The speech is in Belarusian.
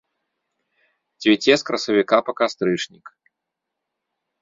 Цвіце з красавіка па кастрычнік.